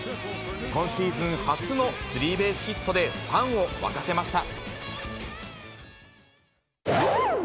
今シーズン初のスリーベースヒットで、ファンを沸かせました。